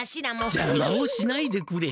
じゃまをしないでくれ。